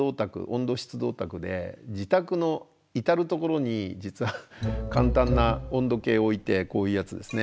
湿度オタクで自宅の至る所に実は簡単な温度計を置いてこういうやつですね。